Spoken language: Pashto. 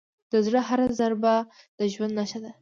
د زړه هره ضربه د ژوند نښه ده.